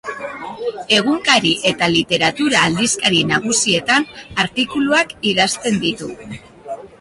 Egunkari eta literatura-aldizkari nagusietan artikuluak idazten ditu.